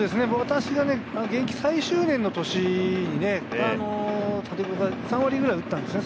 私が現役最終年の年に立岡が３割ぐらい打ったんですね。